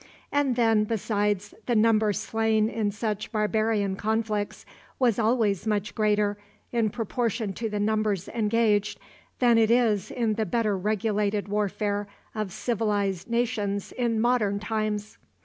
And then, besides, the number slain in such barbarian conflicts was always much greater, in proportion to the numbers engaged, than it is in the better regulated warfare of civilized nations in modern times.